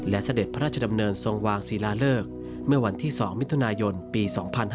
และเสด็จพระราชดำเนินทรงวางศิลาเลิกเมื่อวันที่๒มิถุนายนปี๒๕๕๙